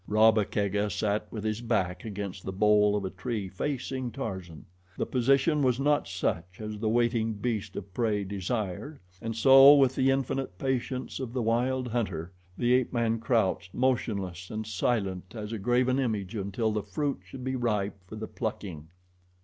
Rabba Kega sat with his back against the bole of a tree, facing Tarzan. The position was not such as the waiting beast of prey desired, and so, with the infinite patience of the wild hunter, the ape man crouched motionless and silent as a graven image until the fruit should be ripe for the plucking.